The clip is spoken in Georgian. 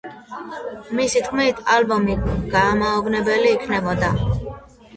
მისი თქმით, ალბომი გამაოგნებელი იქნებოდა.